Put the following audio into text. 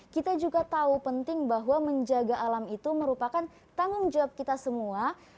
kita juga tahu penting bahwa menjaga alam itu merupakan tanggung jawab kita semua